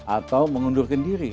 atau mengundurkan diri